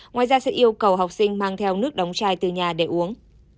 ngoài ra sẽ yêu cầu học sinh mang theo nước đóng chai từ nhà để uống